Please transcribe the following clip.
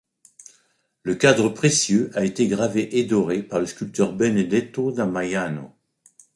Le cadre précieux a été gravé et doré par le sculpteur Benedetto da Maiano.